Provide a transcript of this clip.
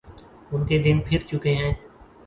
ان کے دن پھر چکے ہیں۔